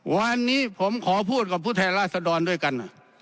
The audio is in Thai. วันนี้ผมขอพูดกับผู้แทนราษดรด้วยกัน